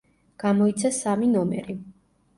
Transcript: გამოიცა სამი ნომერი.